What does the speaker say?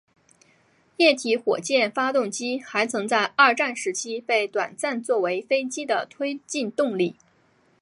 液体火箭发动机还曾在二战时期被短暂作为飞机的推进动力。